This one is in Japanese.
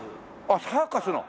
あっサーカスの。